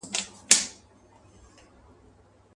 څوك به ويښ څوك به بيده څوك نا آرام وو.